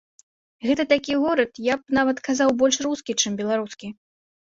Гэта такі горад, я б нават сказаў, больш рускі, чым беларускі.